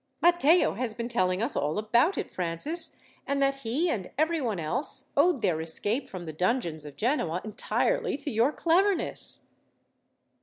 "Matteo has been telling us all about it, Francis, and that he, and everyone else, owed their escape from the dungeons of Genoa entirely to your cleverness."